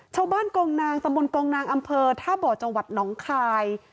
กองนางตำบลกองนางอำเภอท่าบ่อจังหวัดหนองคาย